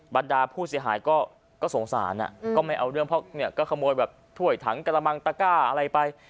บรรดาผู้เสียหายก็สงสารก็ไม่เอาเรื่องเพราะเนี่ยก็ขโมยแบบถ้วยถังกระมังตะก้าอะไรไป